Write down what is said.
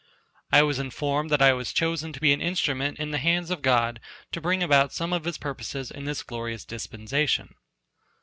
I was informed that I was chosen to be an instrument in the hands of God to bring about some of His purposes in this glorious dispensation.